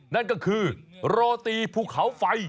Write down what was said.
นั่นก็คือโรตีภูเขาไฟ